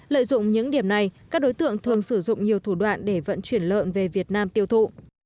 lợi dụng những điểm này các đối tượng thường sử dụng nhiều thủ đoạn để vận chuyển lợn về việt nam tiêu thụ